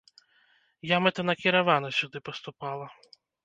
Я мэтанакіравана сюды паступала.